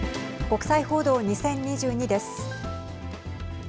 国際報道２０２２です。